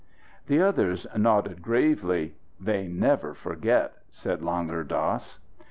The others nodded gravely. "They never forget," said Langur Dass.